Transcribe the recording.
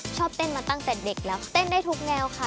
ชอบเต้นมาตั้งแต่เด็กแล้วเต้นได้ทุกแนวค่ะ